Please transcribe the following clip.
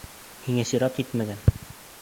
Һиңә сират етмәгән.